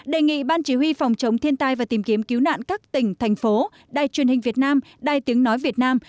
đề nghị ban chỉ huy phòng chống thiên tai và tìm kiếm cứu nạn các tỉnh thành phố đài truyền hình việt nam đài tiếng nói việt nam